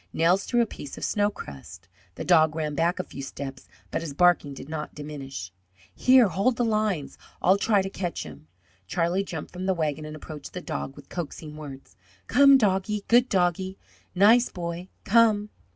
Nels threw a piece of snow crust. The dog ran back a few steps, but his barking did not diminish. "Here, hold the lines. I'll try to catch 'im." Charlie jumped from the wagon and approached the dog with coaxing words: "Come, doggie, good doggie, nice boy, come!"